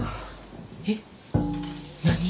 えっ何色？